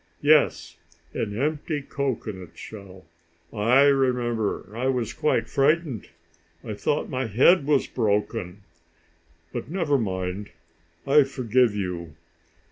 Yes. An empty cocoanut shell! I remember I was quite frightened. I thought my head was broken. But never mind. I forgive you.